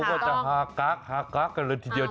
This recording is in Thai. พวกเขาก็จะหาก๊ากหาก๊ากกันเลยทีเดียว